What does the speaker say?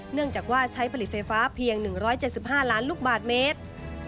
เนื่องจากว่าใช้ผลิตไฟฟ้าเพียง๑๗๕ล้านลูกบาทเมตร